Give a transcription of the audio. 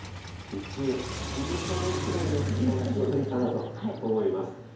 日中、七分袖くらいの服装がちょうどいいかなと思います。